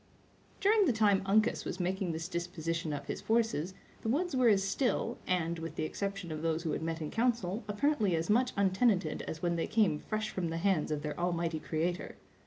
During the time Uncas was making this disposition of his forces, the woods were as still, and, with the exception of those who had met in council, apparently as much untenanted as when they came fresh from the hands of their Almighty Creator.